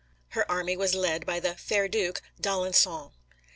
Her army was led by the "fair duke," D'Alençon.